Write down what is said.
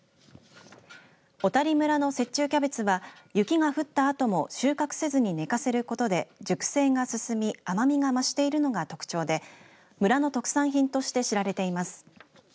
小谷村の雪中キャベツは雪が降ったあとも収穫せずに寝かせることで熟成が進み甘みが増しているのが特徴で村の特産品として知られています。